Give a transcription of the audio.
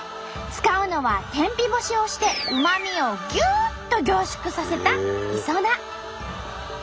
使うのは天日干しをしてうまみをぎゅっと凝縮させたいそな。